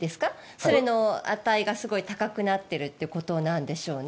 それの値がすごく高くなってるということなんでしょうね。